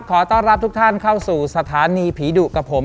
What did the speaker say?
ขอต้อนรับทุกท่านเข้าสู่สถานีผีดุกับผม